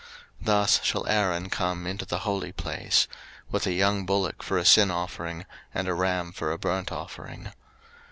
03:016:003 Thus shall Aaron come into the holy place: with a young bullock for a sin offering, and a ram for a burnt offering.